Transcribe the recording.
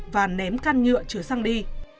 và ném căn nhựa chứa xăng đi